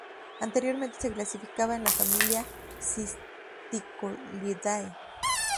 Anteriormente se clasificaba en la familia Cisticolidae.